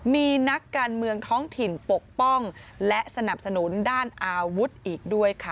มีนักการเมืองท้องถิ่นปกป้องและสนับสนุนด้านอาวุธอีกด้วยค่ะ